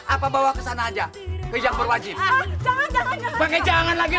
apa bawa ke sana aja kejang berwajib jangan jangan lagi